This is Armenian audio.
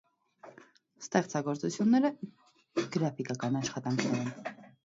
Ստեղծագործութիւնները գրաֆիկական աշխատանքներ են։